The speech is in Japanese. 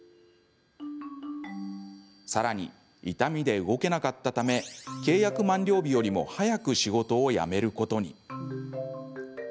さらに、痛みで動けなかったため契約満了日よりも早く仕事を辞めることに。